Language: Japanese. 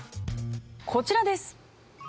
こちらです。